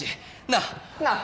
なあ？なあ？